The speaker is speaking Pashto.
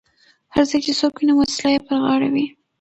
هر ځای چې څوک وینم وسله یې پر غاړه وي.